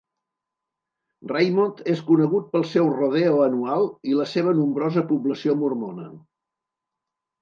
Raymond és conegut pel seu 'rodeo' anual i la seva nombrosa població mormona.